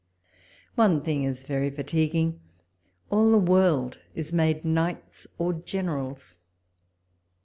One thing is very fatiguing — all the world is made knights or generals.